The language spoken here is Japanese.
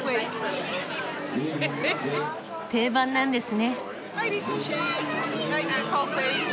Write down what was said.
定番なんですね。